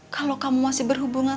kalau kamu masih berhubungan